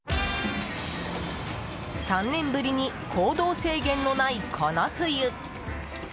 ３年ぶりに行動制限のないこの冬。